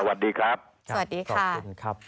สวัสดีครับ